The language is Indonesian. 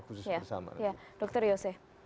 khusus bersama dokter yoseh